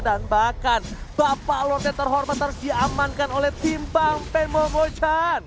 dan bahkan bapak lord yang terhormat harus diamankan oleh tim bang pen momochan